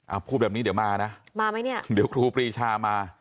พูดแบบนี้เดี๋ยวมานะมาไหมเนี่ยเดี๋ยวครูปรีชามา